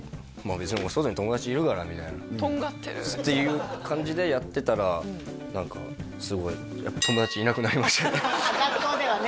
別に俺外に友達いるからみたいなとんがってるっていう感じでやってたら何かすごい学校ではね